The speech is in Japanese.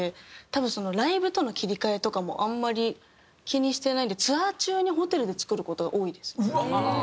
多分ライブとの切り替えとかもあんまり気にしてないんでツアー中にホテルで作る事が多いです。